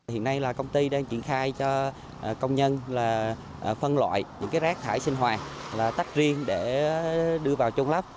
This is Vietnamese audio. hiện nay là công ty đang triển khai cho công nhân là phân loại những cái rác thải sinh hoạt là tách riêng để đưa vào trong lắp